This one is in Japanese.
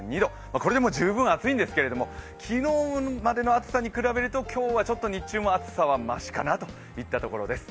これでも十分暑いんですけど、昨日までの暑さに比べると今日は日中の暑さはましかなといったところです。